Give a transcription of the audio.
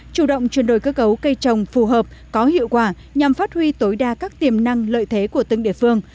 chủ động chuyển đổi cơ cấu cây trồng phù hợp có hiệu quả nhằm phát huy tối đa các tiềm năng lợi thế của từng địa phương